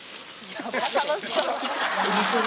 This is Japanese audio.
「楽しそう」